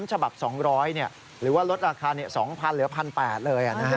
ฉบับ๒๐๐หรือว่าลดราคา๒๐๐เหลือ๑๘๐๐เลย